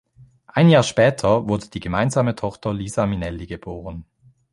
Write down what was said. Ein Jahr später wurde die gemeinsame Tochter Liza Minnelli geboren.